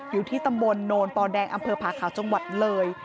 อยู่ที่ตำบลโนนปอแดงอำเภอผาขาวจังหวัดเลย